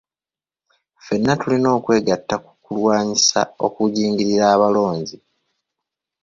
Ffenna tulina okwegatta ku kulwanyisa okugulirira abalonzi.